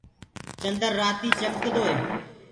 چندر رآتي چمڪدو هي۔